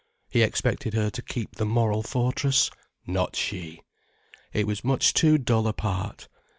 He expected her to keep the moral fortress. Not she! It was much too dull a part.